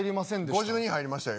５０人入りましたよ